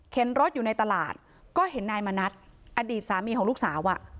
รถอยู่ในตลาดก็เห็นนายมณัฐอดีตสามีของลูกสาวอ่ะ